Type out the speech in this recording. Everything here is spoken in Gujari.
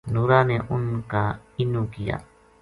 نُورا نے اُن کا اِنو کیا